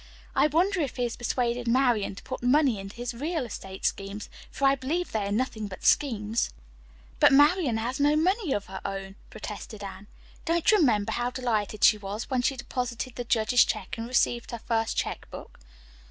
I wonder if he has persuaded Marian to put money into his real estate schemes, for I believe they are nothing but schemes." "But Marian has no money of her own," protested Anne. "Don't you remember how delighted she was when she deposited the judge's check and received her first check book?"